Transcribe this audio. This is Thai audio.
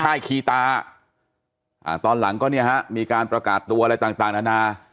ค่ายคีตาตอนหลังก็เนี่ยฮะมีการประกาศตัวอะไรต่างอาณา